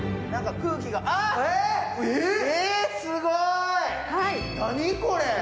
えっ、すごい、何これ。